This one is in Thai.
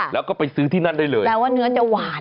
แบบว่าเนื้อจะหวาน